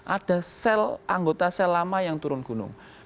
ada sel anggota sel lama yang turun gunung